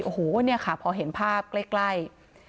โอ้โหเนี่ยค่ะพอเห็นภาพใกล้